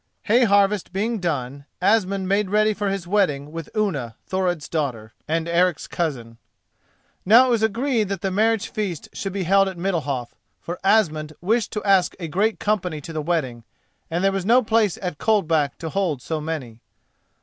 Hay harvest being done, Asmund made ready for his wedding with Unna, Thorod's daughter and Eric's cousin. Now it was agreed that the marriage feast should be held at Middalhof; for Asmund wished to ask a great company to the wedding, and there was no place at Coldback to hold so many.